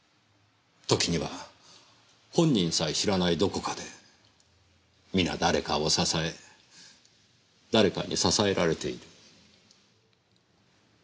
時には本人さえ知らないどこかでみな誰かを支え誰かに支えられている。